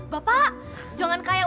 bapak jangan kayak